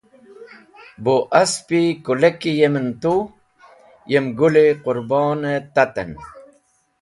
Bu asp-e kũleki yem en tu yem Gũl-e Qũrbon taten.